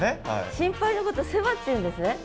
心配のこと「せわ」っていうんですね。